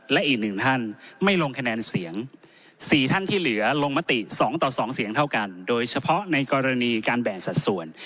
และอีกหนึ่งท่านไม่ลงคะแนนเสียง๔ท่านที่เหลือลงมติ๒ต่อ๒เสียงเท่ากันโดยเฉพาะในกรณีการแบ่งสัดส่วน